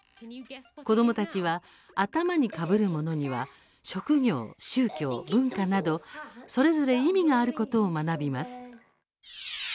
子どもたちは頭にかぶるものには職業、宗教、文化などそれぞれ意味があることを学びます。